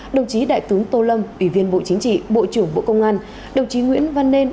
đồng chí đại tướng tô lâm ủy viên bộ chính trị bộ trưởng bộ công an đồng chí nguyễn văn nên